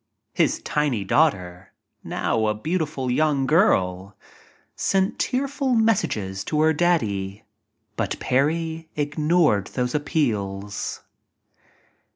His tiny daughter, now a beautiful young girl, sent tear ful messages to her daddy, but Parry ignored those appeals.